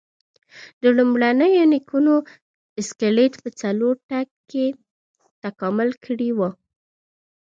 د لومړنیو نیکونو اسکلیټ په څلورو تګ کې تکامل کړی و.